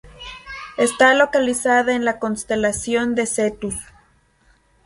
Está localizada en la constelación de Cetus.